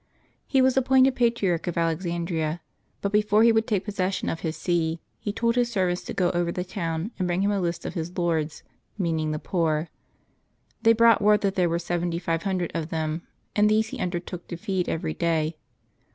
He was appointed Patriarch of Alexandria; but before he would take possession of his see he told his serv ants to go over the town and bring him a list of his lords — meaning the poor. They brought word that there were seventy five hundred of them, and these he undertook to feed every day.